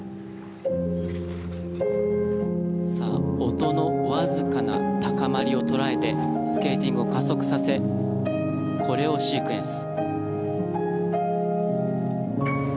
音のわずかな高まりを捉えてスケーティングを加速させコレオシークエンス。